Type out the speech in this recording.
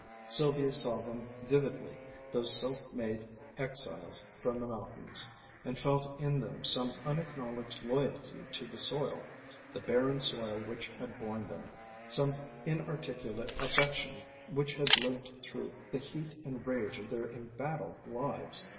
Sylvia saw them vividly, those self made exiles from the mountains, and felt in them some unacknowledged loyalty to the soil, the barren soil which had borne them, some inarticulate affection which had lived through the heat and rage of their embattled lives.